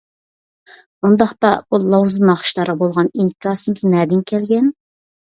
ئۇنداقتا بۇ لاۋزا ناخشىلارغا بولغان ئىنكاسىمىز نەدىن كەلگەن.